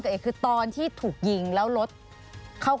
การยิงปืนแบบไหน